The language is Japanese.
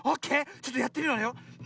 ちょっとやってみるわよ。